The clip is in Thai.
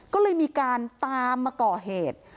ก็เลยมีการตามมาก่อเหตุ